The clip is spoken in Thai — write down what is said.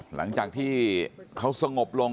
หลังจากที่เขาสงบลง